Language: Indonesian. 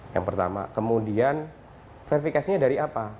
yang pertama kemudian verifikasinya dari apa